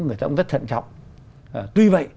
người ta cũng rất thận trọng tuy vậy